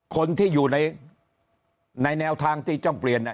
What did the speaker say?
คนที่อยู่ในแนวทางที่ต้องเปลี่ยน